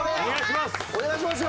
お願いします！